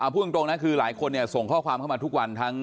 พูดตรงนะคือหลายคนส่งข้อความเข้ามาทุกวัน